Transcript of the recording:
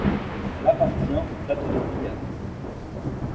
Elle appartient au Plateau des Guyanes.